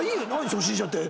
「初心者」って。